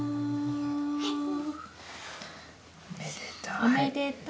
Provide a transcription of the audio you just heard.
おめでとう。